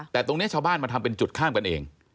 แต่ตรงนี้ชาวบ้านมาทำเป็นจุดข้ามกันเอง